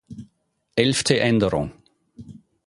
Elfte Änderung.